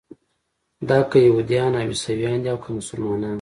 دا که یهودیان او عیسویان دي او که مسلمانان.